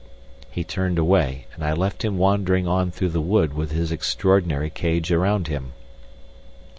He turned away and I left him wandering on through the wood with his extraordinary cage around him.